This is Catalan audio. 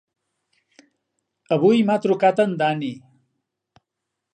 Avui m'ha trucat en Dani.